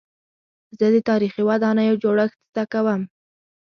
زه د تاریخي ودانیو جوړښت زده کوم.